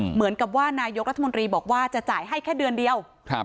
เหมือนกับว่านายกรัฐมนตรีบอกว่าจะจ่ายให้แค่เดือนเดียว